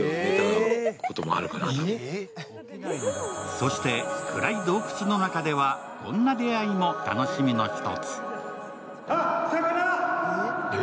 そして暗い洞窟の中ではこんな出会いも楽しみの一つ。